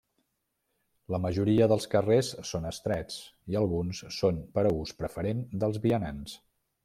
La majoria de carrers són estrets i alguns són per a ús preferent dels vianants.